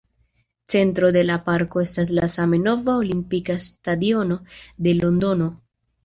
Centro de la parko estas la same nova Olimpika Stadiono de Londono.